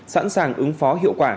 sẵn sàng ứng phó hiệu quả